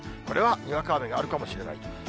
これはにわか雨があるかもしれないと。